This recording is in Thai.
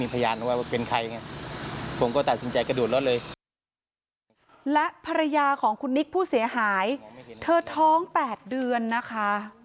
และภรรยาของคุณนิกผู้เสียหายเธอท้อง๘เดือนนะคะ